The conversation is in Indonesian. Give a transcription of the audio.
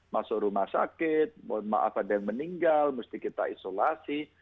masuk rumah sakit mohon maaf ada yang meninggal mesti kita isolasi